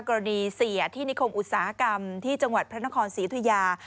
กรณีเสียที่นิคมอุตสาหกรรมที่จังหวัดพระนครศรีธุยา